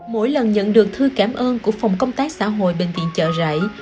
mỗi lần nhận được thư cảm ơn của phòng công tác xã hội bệnh viện chợ rẫy